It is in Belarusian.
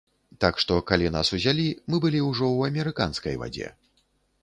Так што, калі нас узялі, мы былі ўжо ў амерыканскай вадзе.